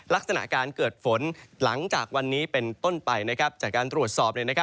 ลักษณะการเกิดฝนหลังจากวันนี้เป็นต้นไปจากการตรวจสอบ